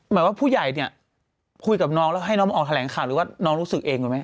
หมายว่าผู้ใหญ่เนี่ยคุยกับน้องแล้วให้น้องมาออกแถลงข่าวหรือว่าน้องรู้สึกเองก่อนไหม